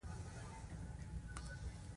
پیلوټ د آسمان له توپانه نه ویره نه لري.